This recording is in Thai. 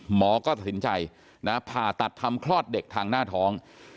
หมอก็ตัดสินใจผ่าตัดทำคลอดเด็กทางหน้าท้อง